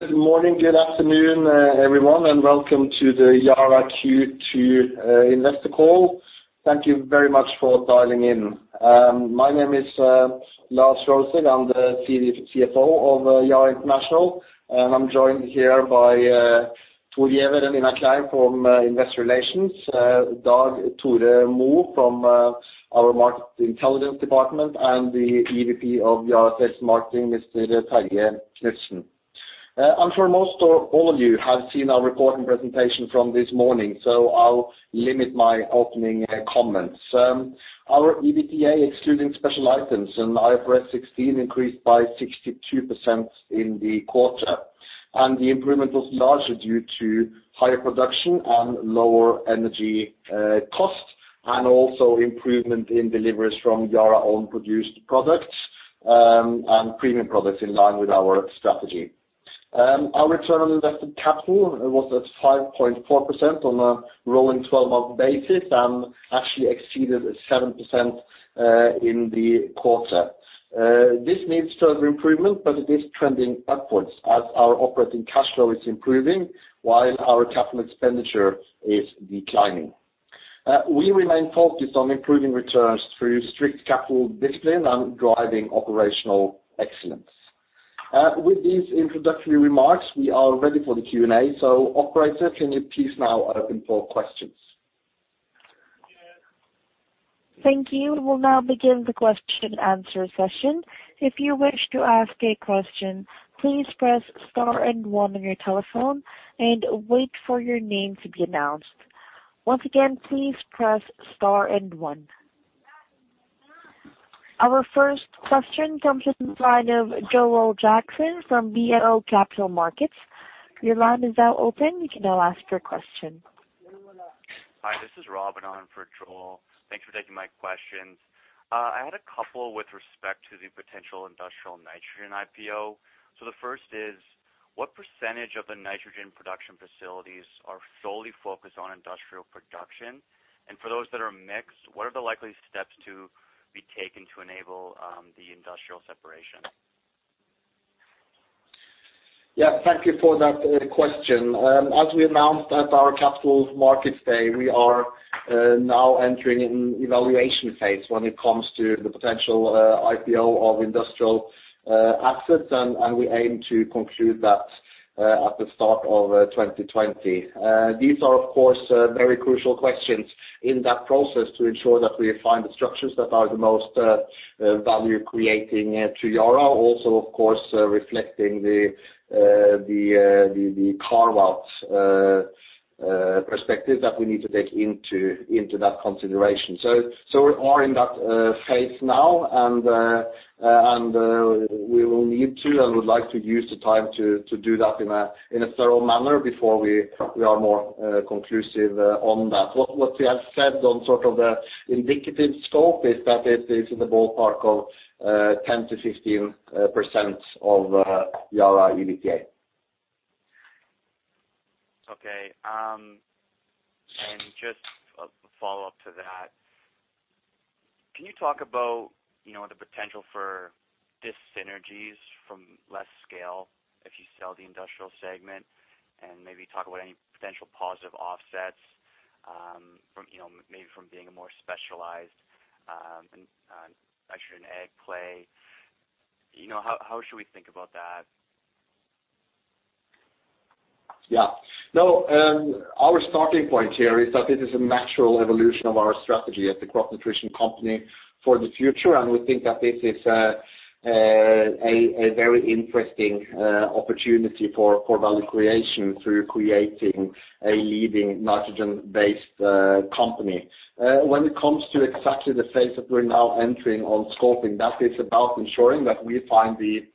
Good morning, good afternoon, everyone, and welcome to the Yara Q2 investor call. Thank you very much for dialing in. My name is Lars Røsæg. I am the CFO of Yara International, and I am joined here by Thor Giæver and Nina Kleiv from Investor Relations, Dag Tore Mo from our Market Intelligence department, and the EVP of Yara Sales & Marketing, Mr. Terje Knutsen. I am sure most or all of you have seen our report and presentation from this morning, so I will limit my opening comments. Our EBITDA, excluding special items and IFRS 16, increased by 62% in the quarter. The improvement was largely due to higher production and lower energy costs, and also improvement in deliveries from Yara own produced products, and premium products in line with our strategy. Our return on invested capital was at 5.4% on a rolling 12-month basis, and actually exceeded 7% in the quarter. This needs further improvement, it is trending upwards as our operating cash flow is improving while our capital expenditure is declining. We remain focused on improving returns through strict capital discipline and driving operational excellence. With these introductory remarks, we are ready for the Q&A. Operator, can you please now open for questions? Thank you. We will now begin the question answer session. If you wish to ask a question, please press star and one on your telephone and wait for your name to be announced. Once again, please press star and one. Our first question comes from the line of Joel Jackson from BMO Capital Markets. Your line is now open. You can now ask your question. Hi, this is Robin on for Joel. Thanks for taking my questions. I had a couple with respect to the potential industrial nitrogen IPO. The first is, what percentage of the nitrogen production facilities are solely focused on industrial production? And for those that are mixed, what are the likely steps to be taken to enable the industrial separation? Yeah, thank you for that question. As we announced at our Capital Markets Day, we are now entering an evaluation phase when it comes to the potential IPO of industrial assets, and we aim to conclude that at the start of 2020. These are, of course, very crucial questions in that process to ensure that we find the structures that are the most value creating to Yara. Also, of course, reflecting the carve-out perspective that we need to take into that consideration. We are in that phase now and we will need to and would like to use the time to do that in a thorough manner before we are more conclusive on that. What we have said on sort of the indicative scope is that it is in the ballpark of 10%-15% of Yara EBITDA. Okay. Just a follow-up to that. Can you talk about the potential for dis-synergies from less scale if you sell the industrial segment? Maybe talk about any potential positive offsets, maybe from being a more specialized nitrogen ag play. How should we think about that? Yeah. No, our starting point here is that it is a natural evolution of our strategy as the crop nutrition company for the future. We think that this is a very interesting opportunity for value creation through creating a leading nitrogen-based company. When it comes to exactly the phase that we're now entering on scoping, that is about ensuring that we find the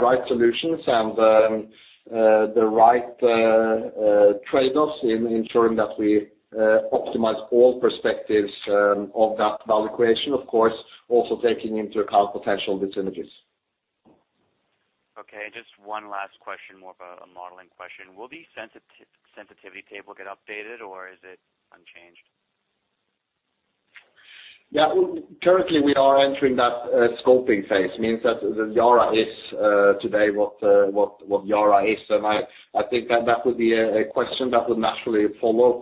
right solutions and the right trade-offs in ensuring that we optimize all perspectives of that value creation. Of course, also taking into account potential dis-synergies. Okay, just one last question, more of a modeling question. Will the sensitivity table get updated or is it unchanged? Yeah. Currently, we are entering that scoping phase, means that the Yara is today what Yara is. I think that would be a question that would naturally follow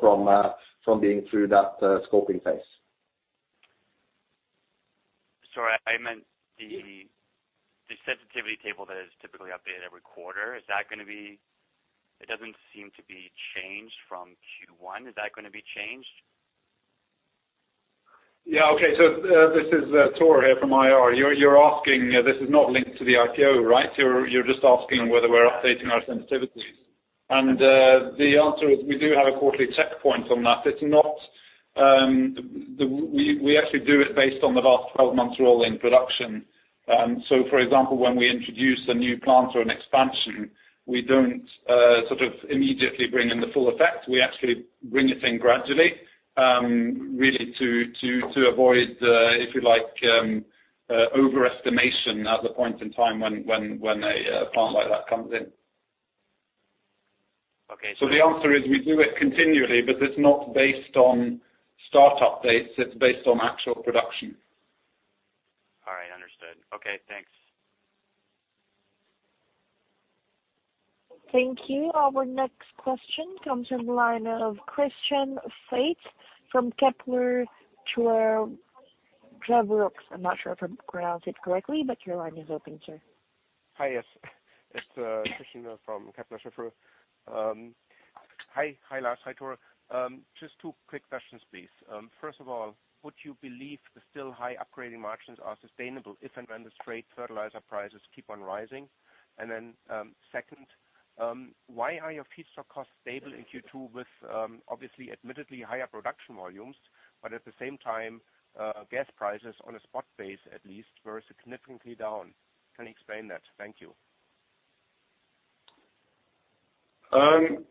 from being through that scoping phase. Sorry, I meant the sensitivity table that is typically updated every quarter. It doesn't seem to be changed from Q1. Is that going to be changed? Yeah. Okay. This is Thor here from IR. This is not linked to the IPO, right? You're just asking whether we're updating our sensitivities. The answer is, we do have a quarterly check point on that. We actually do it based on the last 12 months rolling production. For example, when we introduce a new plant or an expansion, we don't immediately bring in the full effect. We actually bring it in gradually, really to avoid, if you like, overestimation at the point in time when a plant like that comes in. Okay. The answer is, we do it continually, it's not based on start-up dates, it's based on actual production. Right. Understood. Okay, thanks. Thank you. Our next question comes from the line of Christian Faitz from Kepler Cheuvreux. I am not sure if I pronounced it correctly, but your line is open, sir. Hi, yes. It is Christian from Kepler Cheuvreux. Hi, Lars. Hi, Thor. Just two quick questions, please. First of all, would you believe the still high upgrading margins are sustainable if and when the straight fertilizer prices keep on rising? Second, why are your feedstock costs stable in Q2 with obviously admittedly higher production volumes, but at the same time, gas prices on a spot basis at least were significantly down. Can you explain that? Thank you.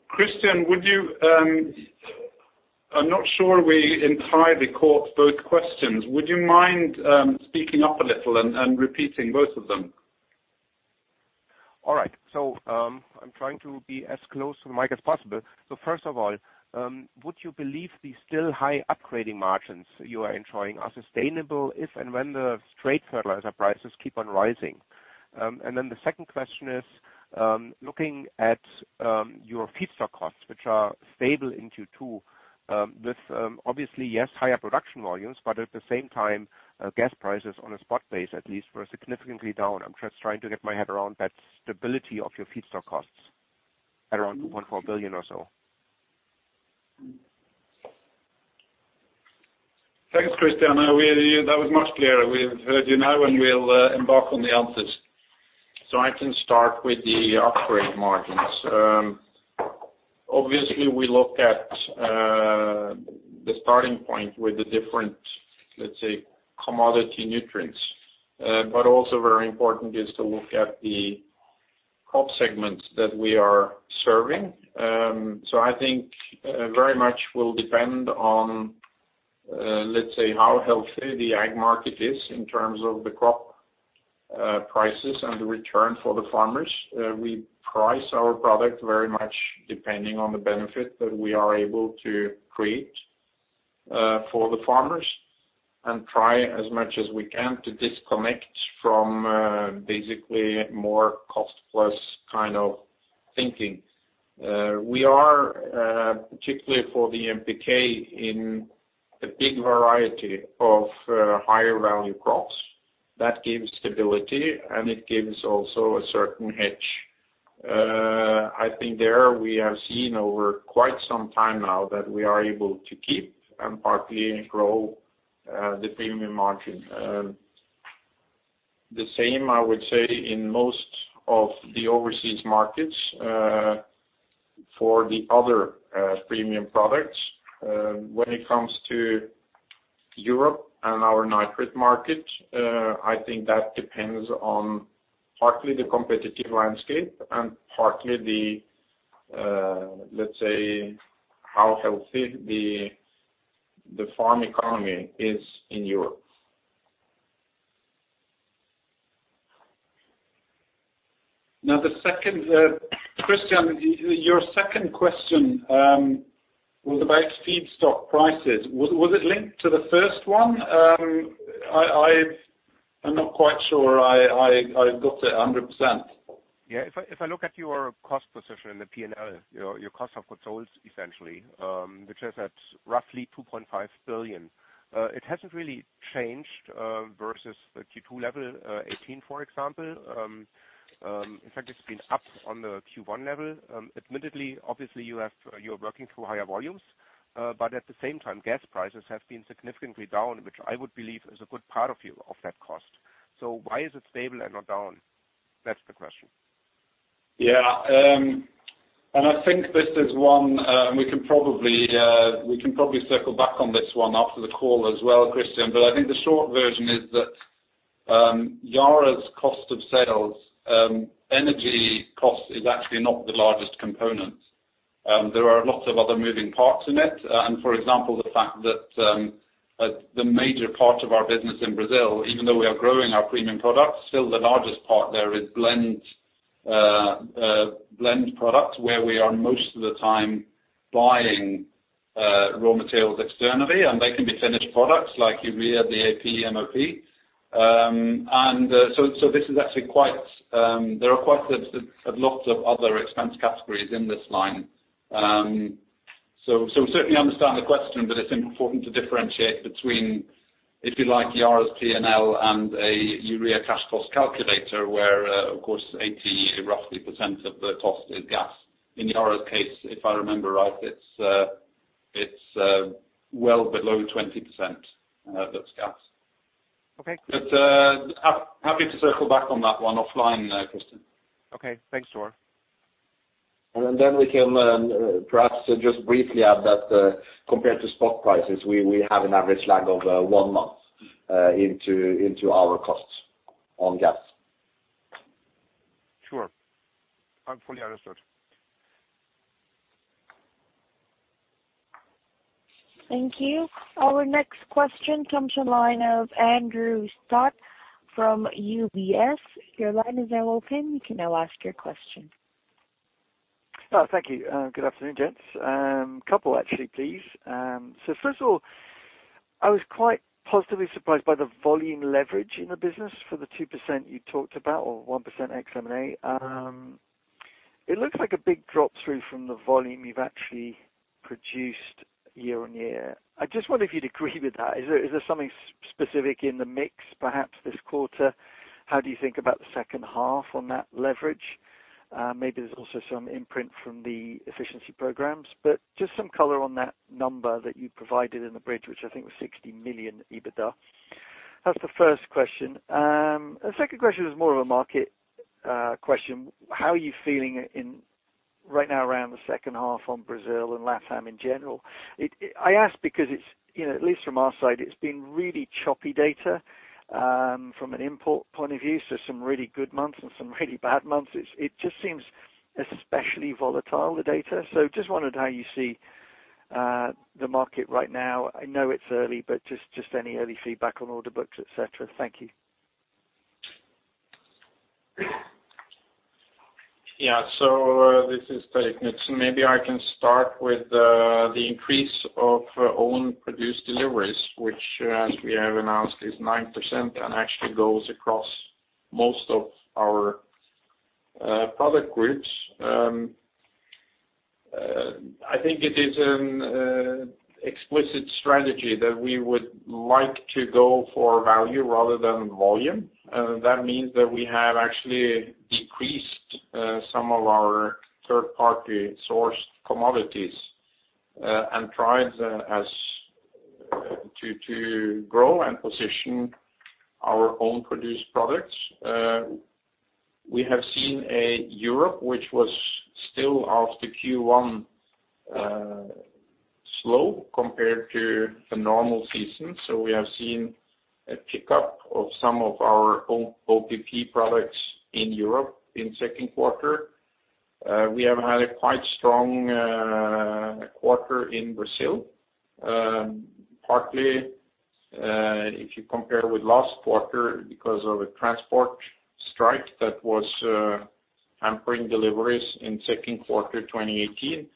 Christian, I am not sure we entirely caught both questions. Would you mind speaking up a little and repeating both of them? I'm trying to be as close to the mic as possible. First of all, would you believe the still high upgrading margins you are enjoying are sustainable if and when the straight fertilizer prices keep on rising? The second question is, looking at your feedstock costs, which are stable in Q2, with obviously, yes, higher production volumes, but at the same time, gas prices on a spot base at least were significantly down. I'm just trying to get my head around that stability of your feedstock costs at around $1.4 billion or so. Thanks, Christian. That was much clearer. We've heard you now, and we'll embark on the answers. I can start with the upgrade margins. Obviously, we look at the starting point with the different, let's say, commodity nutrients. Also very important is to look at the crop segments that we are serving. I think very much will depend on, let's say, how healthy the ag market is in terms of the crop prices and the return for the farmers. We price our product very much depending on the benefit that we are able to create for the farmers and try as much as we can to disconnect from basically more cost-plus kind of thinking. We are, particularly for the NPK, in a big variety of higher value crops. That gives stability, and it gives also a certain hedge. I think there we have seen over quite some time now that we are able to keep and partly grow the premium margin. The same, I would say, in most of the overseas markets, for the other premium products. When it comes to Europe and our nitrate market, I think that depends on partly the competitive landscape and partly the, let's say, how healthy the farm economy is in Europe. Christian, your second question was about feedstock prices. Was it linked to the first one? I'm not quite sure I got it 100%. If I look at your cost position in the P&L, your cost of goods sold essentially, which is at roughly $2.5 billion, it hasn't really changed versus the Q2 2018 level, for example. In fact, it's been up on the Q1 level. Admittedly, obviously, you're working through higher volumes. At the same time, gas prices have been significantly down, which I would believe is a good part of that cost. Why is it stable and not down? That's the question. I think this is one we can probably circle back on this one after the call as well, Christian. I think the short version is that Yara's cost of sales, energy cost is actually not the largest component. There are lots of other moving parts in it. For example, the fact that the major part of our business in Brazil, even though we are growing our premium products, still the largest part there is blend products where we are most of the time buying raw materials externally, and they can be finished products like urea, DAP, and MOP. There are lots of other expense categories in this line. Certainly understand the question, but it's important to differentiate between, if you like, Yara's P&L and a urea cash cost calculator where, of course, roughly 80% of the cost is gas. In Yara's case, if I remember right, it's well below 20% that's gas. Okay. Happy to circle back on that one offline there, Christian. Okay, thanks, Thor. We can perhaps just briefly add that compared to spot prices, we have an average lag of one month into our costs on gas. Sure. I fully understood. Thank you. Our next question comes from the line of Andrew Stott from UBS. Your line is now open. You can now ask your question. Thank you. Good afternoon, gents. A couple actually, please. First of all, I was quite positively surprised by the volume leverage in the business for the 2% you talked about, or 1% ex M&A. It looks like a big drop through from the volume you've actually produced year-over-year. I just wonder if you'd agree with that. Is there something specific in the mix perhaps this quarter? How do you think about the second half on that leverage? Maybe there's also some imprint from the efficiency programs, but just some color on that number that you provided in the bridge, which I think was $60 million EBITDA. That's the first question. The second question is more of a market question. How are you feeling right now around the second half on Brazil and LATAM in general? I ask because at least from our side, it's been really choppy data from an import point of view, some really good months and some really bad months. It just seems especially volatile, the data. Just wondered how you see the market right now. I know it's early, but just any early feedback on order books, et cetera. Thank you. This is Terje Knutsen. Maybe I can start with the increase of own produced deliveries, which as we have announced is 9% and actually goes across most of our product groups. I think it is an explicit strategy that we would like to go for value rather than volume. That means that we have actually decreased some of our third-party sourced commodities and tried to grow and position our own produced products. We have seen Europe, which was still after Q1 slow compared to the normal season. We have seen a pickup of some of our own OPP products in Europe in the second quarter. We have had a quite strong quarter in Brazil. Partly, if you compare with last quarter because of a transport strike that was hampering deliveries in second quarter 2018,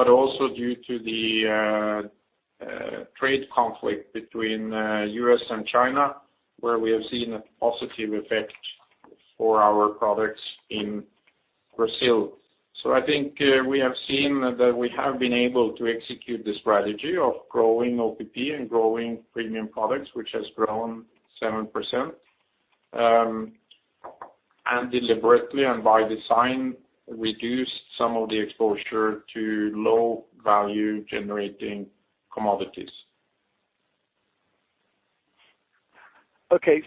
but also due to the trade conflict between U.S. and China, where we have seen a positive effect for our products in Brazil. I think we have seen that we have been able to execute the strategy of growing OPP and growing premium products, which has grown 7%, and deliberately and by design, reduced some of the exposure to low value-generating commodities. Okay.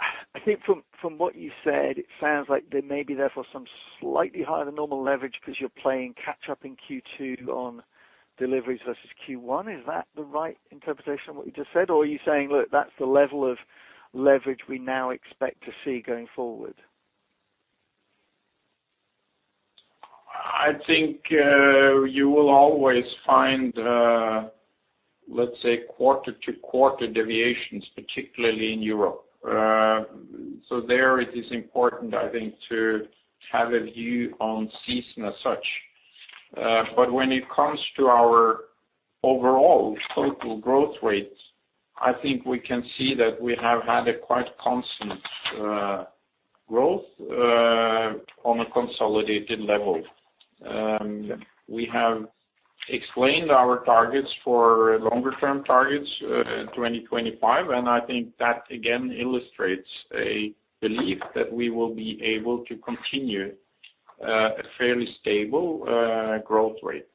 I think from what you said, it sounds like there may be therefore some slightly higher than normal leverage because you are playing catch up in Q2 on deliveries versus Q1. Is that the right interpretation of what you just said? Or are you saying, look, that's the level of leverage we now expect to see going forward? I think you will always find, let's say, quarter-to-quarter deviations, particularly in Europe. There it is important, I think, to have a view on season as such. When it comes to our overall total growth rates, I think we can see that we have had a quite constant growth on a consolidated level. We have explained our targets for longer term targets, 2025. I think that again illustrates a belief that we will be able to continue a fairly stable growth rate.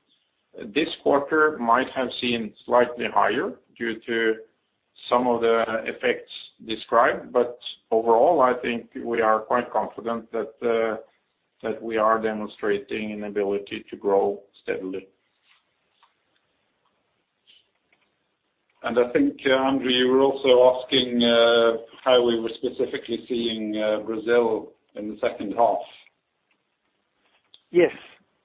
This quarter might have seen slightly higher due to some of the effects described. Overall, I think we are quite confident that we are demonstrating an ability to grow steadily. I think, Andrew, you were also asking how we were specifically seeing Brazil in the second half. Yes,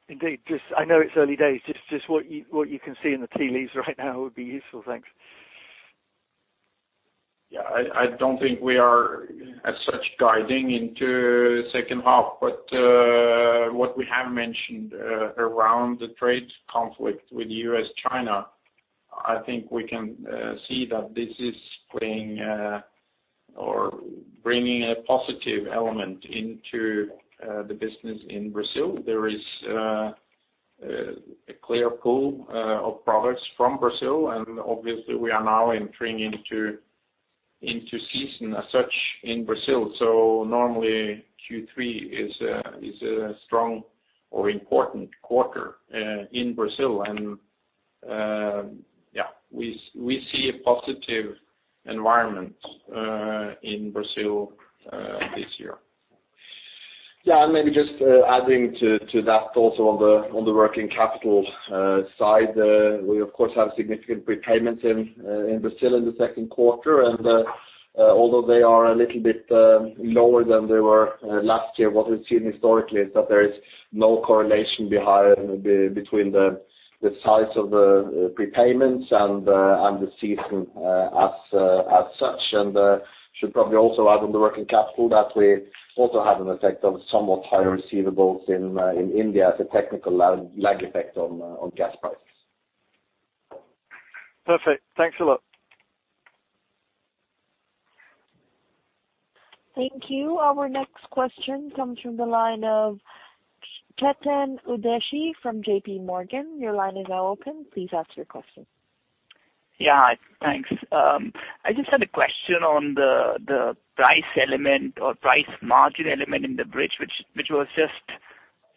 indeed. I know it's early days. Just what you can see in the tea leaves right now would be useful. Thanks. Yeah. I don't think we are as such guiding into second half. What we have mentioned around the trade conflict with U.S., China, I think we can see that this is playing or bringing a positive element into the business in Brazil. There is a clear pull of products from Brazil. Obviously we are now entering into season as such in Brazil. Normally Q3 is a strong or important quarter in Brazil. Yeah, we see a positive environment in Brazil this year. Yeah, maybe just adding to that also on the working capital side. We of course have significant prepayments in Brazil in the second quarter. Although they are a little bit lower than they were last year, what we've seen historically is that there is no correlation between the size of the prepayments and the season as such. Should probably also add on the working capital that we also had an effect of somewhat higher receivables in India as a technical lag effect on gas prices. Perfect. Thanks a lot. Thank you. Our next question comes from the line of Chetan Udeshi from J.P. Morgan. Your line is now open. Please ask your question. Yeah, thanks. I just had a question on the price element or price margin element in the bridge, which was just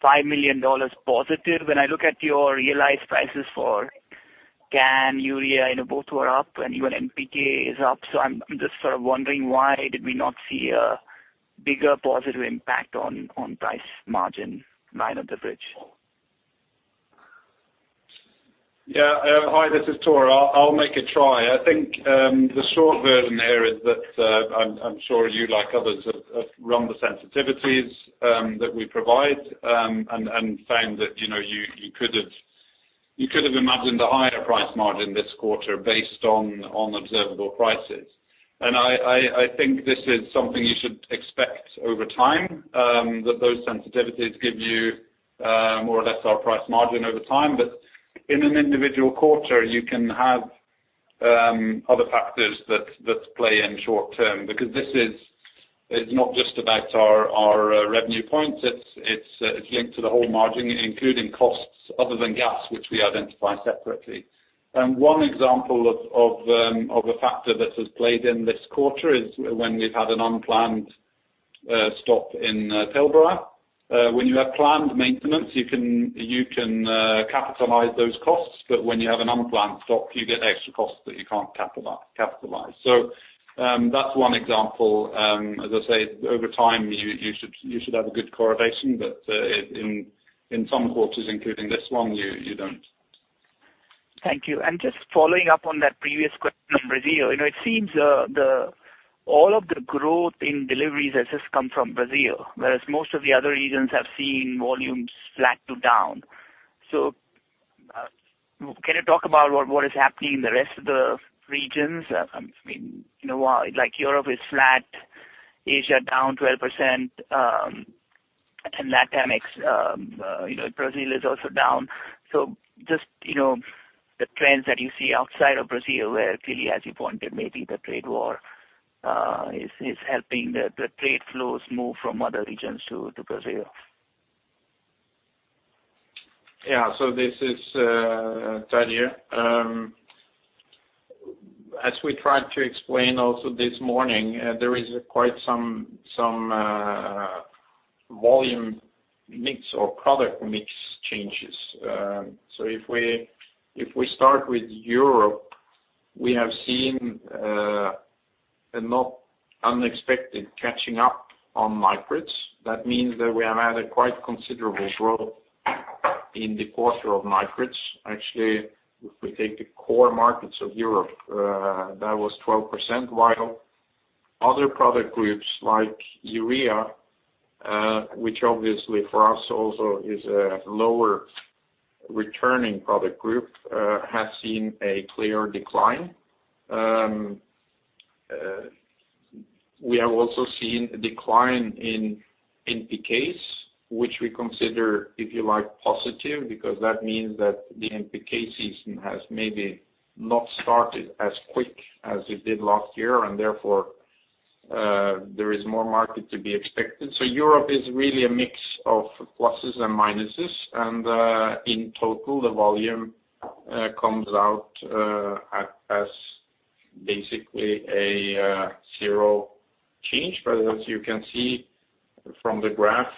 $5 million positive. When I look at your realized prices for CAN, urea, both were up, even NPK is up. I'm just sort of wondering why did we not see a bigger positive impact on price margin line of the bridge? Yeah. Hi, this is Thor. I'll make a try. I think the short version there is that I'm sure you, like others, have run the sensitivities that we provide and found that you could have imagined a higher price margin this quarter based on observable prices. I think this is something you should expect over time, that those sensitivities give you more or less our price margin over time. In an individual quarter, you can have other factors that play in short term, because this is not just about our revenue point, it's linked to the whole margin, including costs other than gas, which we identify separately. One example of a factor that has played in this quarter is when we've had an unplanned stop in Pilbara. When you have planned maintenance, you can capitalize those costs, but when you have an unplanned stop, you get extra costs that you can't capitalize. That's one example. As I say, over time, you should have a good correlation. In some quarters, including this one, you don't. Thank you. Just following up on that previous question on Brazil. It seems all of the growth in deliveries has just come from Brazil, whereas most of the other regions have seen volumes flat to down. Can you talk about what is happening in the rest of the regions? Europe is flat, Asia down 12%, and Latin America ex, Brazil is also down. Just the trends that you see outside of Brazil, where clearly, as you pointed, maybe the trade war is helping the trade flows move from other regions to Brazil. Yeah. This is Terje. As we tried to explain also this morning, there is quite some volume mix or product mix changes. If we start with Europe, we have seen a not unexpected catching up on nitrates. That means that we have had a quite considerable growth in the quarter of nitrates. Actually, if we take the core markets of Europe, that was 12%, while other product groups like urea, which obviously for us also is a lower returning product group, have seen a clear decline. We have also seen a decline in NPKs, which we consider, if you like, positive, because that means that the NPK season has maybe not started as quick as it did last year, and therefore, there is more market to be expected. Europe is really a mix of pluses and minuses. In total, the volume comes out as basically a zero change. As you can see from the graph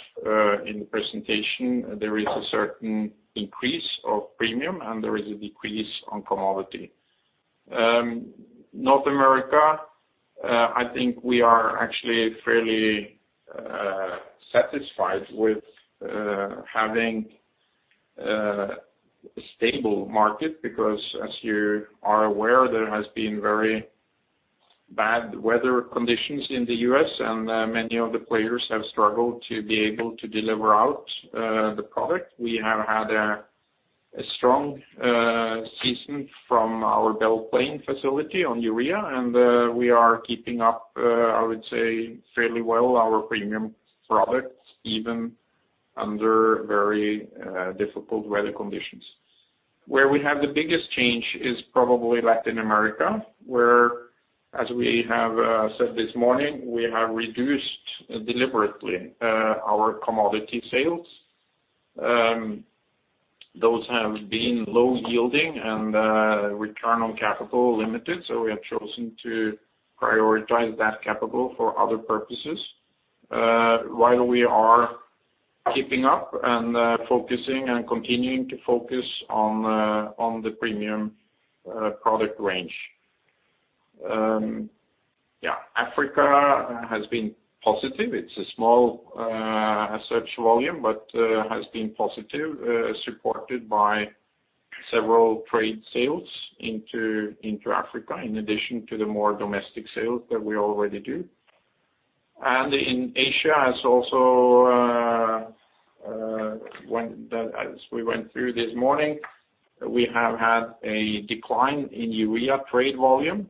in the presentation, there is a certain increase of premium and there is a decrease on commodity. North America, I think we are actually fairly satisfied with having a stable market because as you are aware, there has been very bad weather conditions in the U.S., and many of the players have struggled to be able to deliver out the product. We have had a strong season from our Belle Plaine facility on urea, and we are keeping up, I would say, fairly well our premium products, even under very difficult weather conditions. Where we have the biggest change is probably Latin America, where, as we have said this morning, we have reduced deliberately our commodity sales. Those have been low yielding and return on capital limited. We have chosen to prioritize that capital for other purposes while we are keeping up and focusing and continuing to focus on the premium product range. Africa has been positive. It's a small as such volume, but has been positive, supported by several trade sales into Africa, in addition to the more domestic sales that we already do. In Asia, as we went through this morning, we have had a decline in urea trade volume.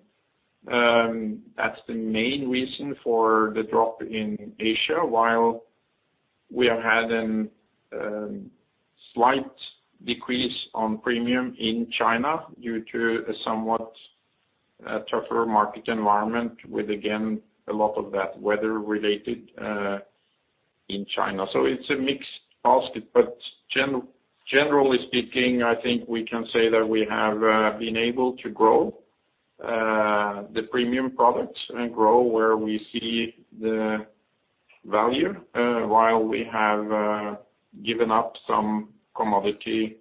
That's the main reason for the drop in Asia. We have had a slight decrease on premium in China due to a somewhat tougher market environment with, again, a lot of that weather related in China. It's a mixed basket. Generally speaking, I think we can say that we have been able to grow the premium products and grow where we see the value, while we have given up some commodity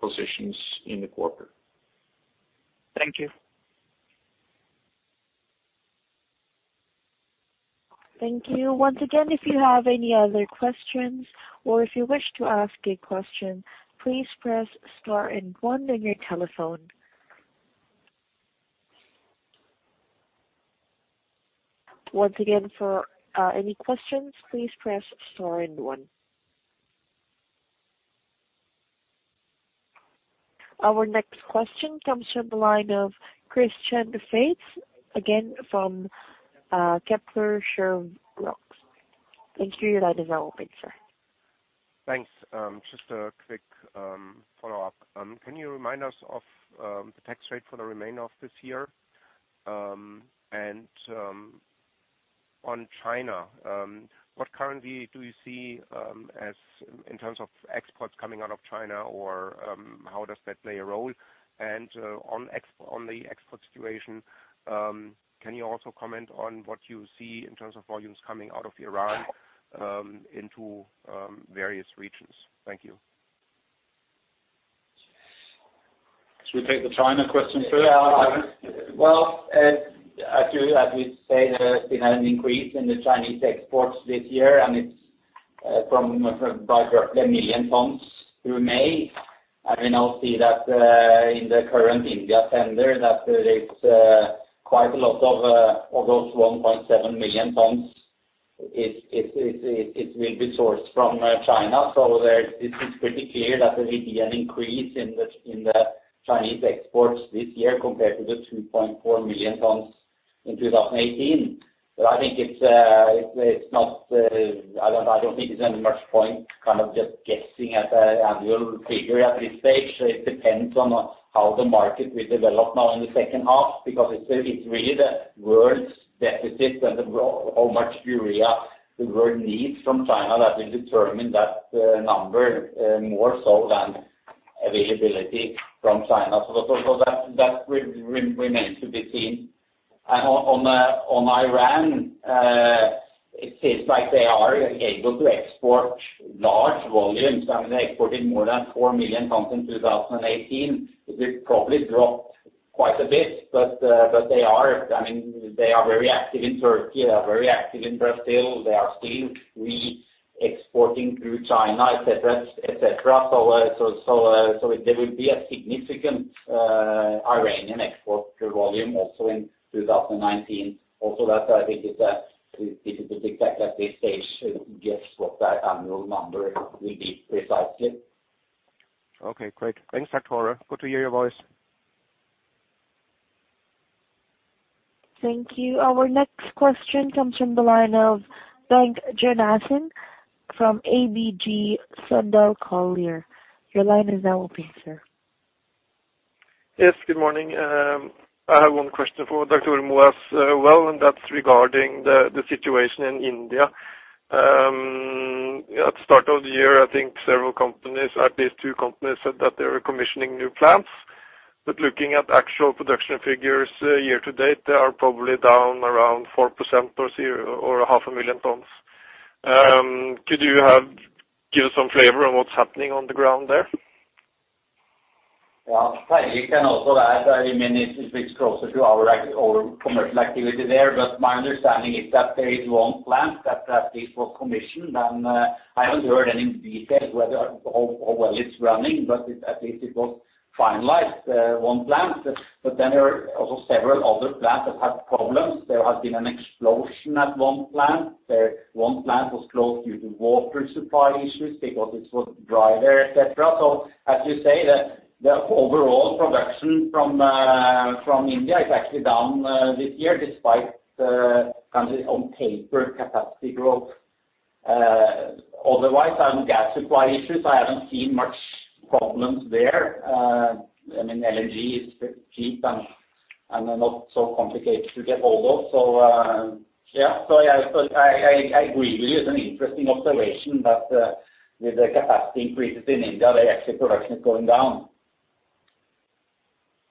positions in the quarter. Thank you. Thank you. Once again, if you have any other questions or if you wish to ask a question, please press star and one on your telephone. Once again, for any questions, please press star and one. Our next question comes from the line of Christian Faitz, again from Kepler Cheuvreux. Thank you. Your line is now open, sir. Thanks. Just a quick follow-up. Can you remind us of the tax rate for the remainder of this year? On China, what currently do you see in terms of exports coming out of China, or how does that play a role? On the export situation, can you also comment on what you see in terms of volumes coming out of Iran into various regions? Thank you. Should we take the China question first? Well, as we say, there's been an increase in the Chinese exports this year, and it's from by roughly a million tons through May. We now see that in the current India tender, that there is quite a lot of those 1.7 million tons, it will be sourced from China. It is pretty clear that there will be an increase in the Chinese exports this year compared to the 2.4 million tons in 2018. I don't think there's any much point kind of just guessing at the annual figure at this stage. It depends on how the market will develop now in the second half, because it's really the world's deficit and how much urea the world needs from China that will determine that number, more so than availability from China. That remains to be seen. On Iran, it seems like they are able to export large volumes. They exported more than 4 million tons in 2018. It will probably drop quite a bit, they are very active in Turkey, they are very active in Brazil. They are still re-exporting through China, et cetera. There will be a significant Iranian export volume also in 2019. I think it is difficult at this stage to guess what that annual number will be precisely. Okay, great. Thanks, Thor. Good to hear your voice. Thank you. Our next question comes from the line of Bengt Jonassen from ABG Sundal Collier. Your line is now open, sir. Good morning. I have one question for Dr. Mo as well, that's regarding the situation in India. At the start of the year, I think several companies, at least two companies, said that they were commissioning new plants. Looking at actual production figures year to date, they are probably down around 4% or half a million tons. Could you give us some flavor on what's happening on the ground there? Well, I can also add, it's a bit closer to our commercial activity there. My understanding is that there is one plant that at least was commissioned, and I haven't heard any details how well it's running, but at least it was finalized, one plant. There are also several other plants that have problems. There has been an explosion at one plant. One plant was closed due to water supply issues because it was dry there, et cetera. As you say, the overall production from India is actually down this year despite the country's on-paper capacity growth. Otherwise, on gas supply issues, I haven't seen much problems there. LNG is cheap and not so complicated to get hold of. I agree with you. It's an interesting observation that with the capacity increases in India, the actual production is going down.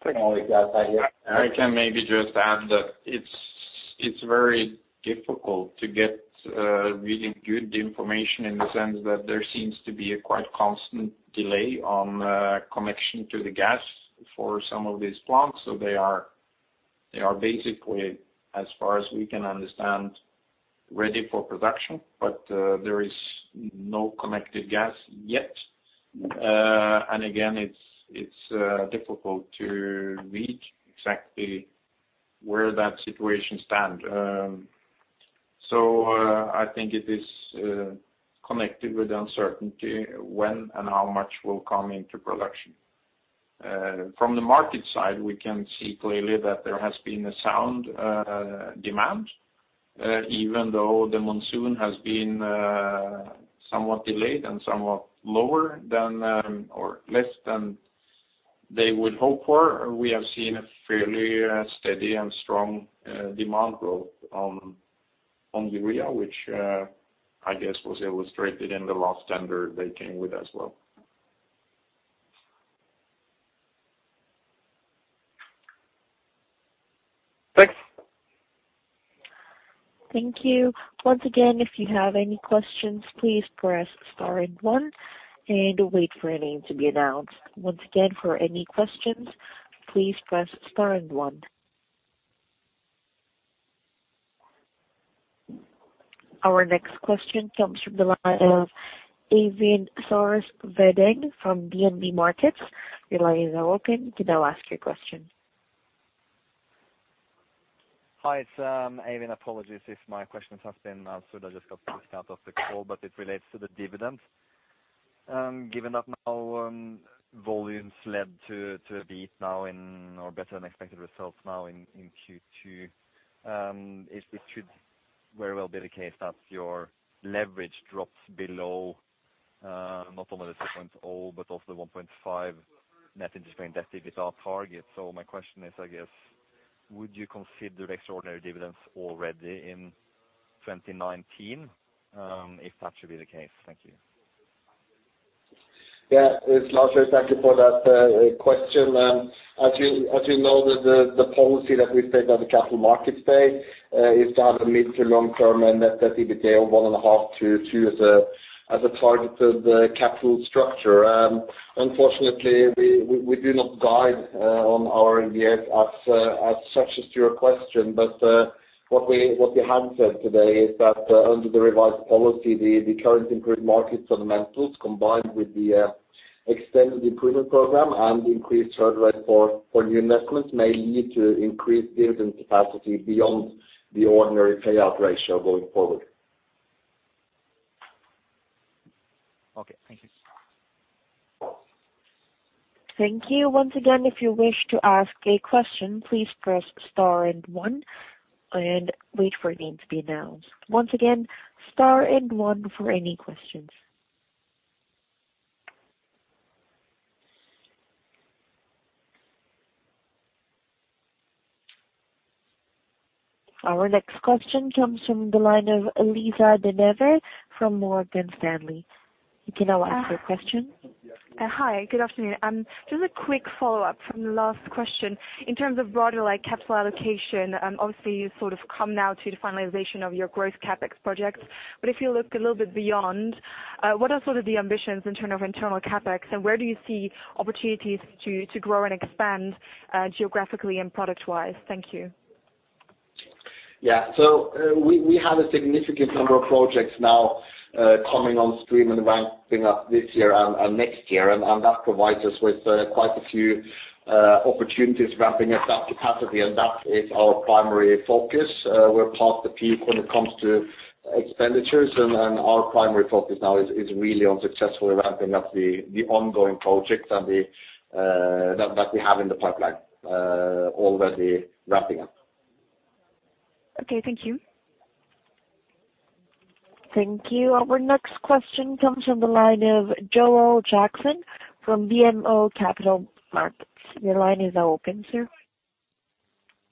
I can maybe just add that it's very difficult to get really good information in the sense that there seems to be a quite constant delay on connection to the gas for some of these plants. They are basically, as far as we can understand, ready for production, but there is no connected gas yet. Again, it's difficult to read exactly where that situation stands. I think it is connected with the uncertainty when and how much will come into production. From the market side, we can see clearly that there has been a sound demand, even though the monsoon has been somewhat delayed and somewhat lower than, or less than they would hope for. We have seen a fairly steady and strong demand growth on urea, which I guess was illustrated in the last tender they came with as well. Thanks. Thank you. Once again, if you have any questions, please press star and one, and wait for your name to be announced. Once again, for any questions, please press star and one. Our next question comes from the line of Eivind Sars Veddeng from DNB Markets. Your lines are open. You can now ask your question. Hi, it's Eivind. Apologies if my questions have been answered. I just got kicked out of the call. It relates to the dividend. Given that now volumes led to a beat now in, or better-than-expected results now in Q2, it should very well be the case that your leverage drops below not only the 2.0 but also the 1.5 net interest-bearing debt-to-EBITDA target. My question is, I guess, would you consider extraordinary dividends already in 2019, if that should be the case? Thank you. Yeah. It's Lars. Thank you for that question. As you know, the policy that we've taken on the Capital Markets Day is to have a medium to long term net debt to EBITDA of 1.5-2 as a target to the capital structure. Unfortunately, we do not guide on our EBITDA as such as to your question. What we have said today is that under the revised policy, the current improved market fundamentals, combined with the extended improvement program and increased hurdle rate for new investments, may lead to increased dividend capacity beyond the ordinary payout ratio going forward. Okay. Thank you. Thank you. Once again, if you wish to ask a question, please press star and one, and wait for your name to be announced. Once again, star and one for any questions. Our next question comes from the line of Lisa De Neve from Morgan Stanley. You can now ask your question. Hi, good afternoon. Just a quick follow-up from the last question. In terms of broader capital allocation, obviously you've come now to the finalization of your growth CapEx projects. If you look a little bit beyond, what are the ambitions in terms of internal CapEx, and where do you see opportunities to grow and expand geographically and product-wise? Thank you. Yeah. We have a significant number of projects now coming on stream and ramping up this year and next year, and that provides us with quite a few opportunities ramping up that capacity, and that is our primary focus. We're past the peak when it comes to expenditures, and our primary focus now is really on successfully ramping up the ongoing projects that we have in the pipeline already ramping up. Okay, thank you. Thank you. Our next question comes from the line of Joel Jackson from BMO Capital Markets. Your line is open, sir.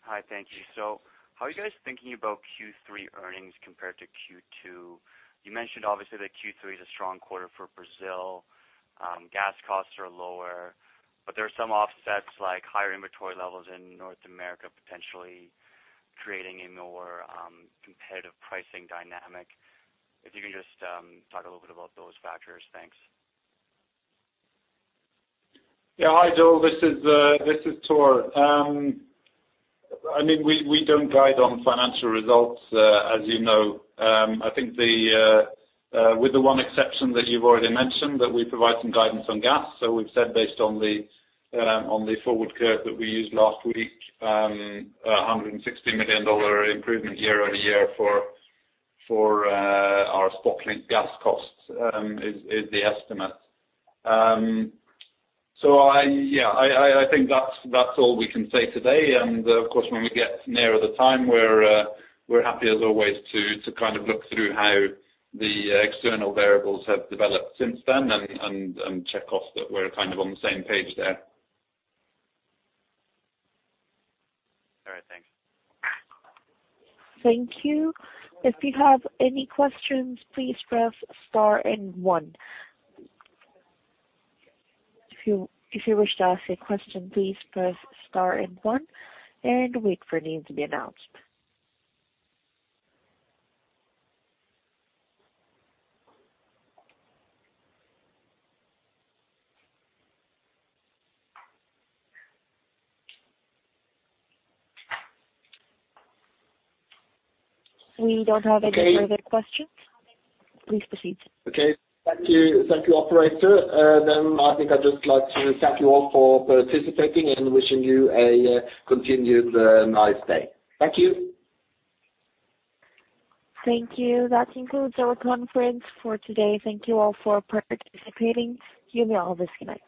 Hi, thank you. How are you guys thinking about Q3 earnings compared to Q2? You mentioned, obviously, that Q3 is a strong quarter for Brazil. Gas costs are lower, but there are some offsets, like higher inventory levels in North America, potentially creating a more competitive pricing dynamic. If you can just talk a little bit about those factors. Thanks. Hi, Joel. This is Thor. We don't guide on financial results, as you know. I think with the one exception that you've already mentioned, that we provide some guidance on gas. We've said based on the forward curve that we used last week, $160 million improvement year-over-year for our spot-linked gas costs is the estimate. I think that's all we can say today. Of course, when we get nearer the time, we're happy as always to look through how the external variables have developed since then and check off that we're on the same page there. All right, thanks. Thank you. If you have any questions, please press star 1. If you wish to ask a question, please press star 1, and wait for your name to be announced. We don't have any further questions. Please proceed. Okay. Thank you. Thank you, operator. I think I'd just like to thank you all for participating and wishing you a continued nice day. Thank you. Thank you. That concludes our conference for today. Thank you all for participating. You may all disconnect.